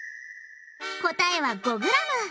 答えは５ｇ。